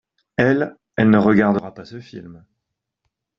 Elle, elle ne regardera pas ce film.